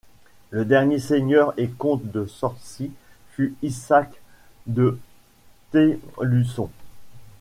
Le dernier seigneur et comte de Sorcy fut Isaac de Thelusson.